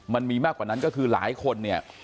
มันมีมากกว่านั้นก็คือหลายคนเนี่ย